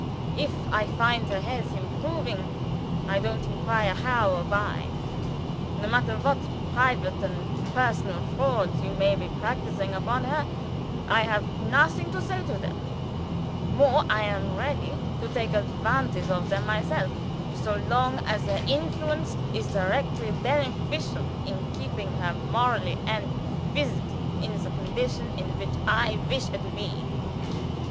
If I find her health improving, I don't inquire how or why. No matter what private and personal frauds you may be practicing upon her, I have nothing to say to them more, I am ready to take advantage of them myself so long as their influence is directly beneficial in keeping her morally and physically in the condition in which I wish her to be.